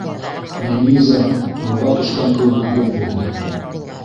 Линиза һыуға төшкән кеүек юҡ булды.